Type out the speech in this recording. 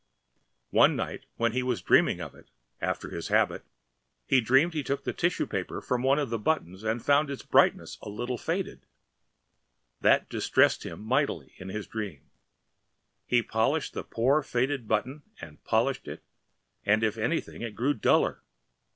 One night when he was dreaming of it, after his habit, he dreamed he took the tissue paper from one of the buttons and found its brightness a little faded, and that distressed him mightily in his dream. He polished the poor faded button and polished it, and if anything it grew duller.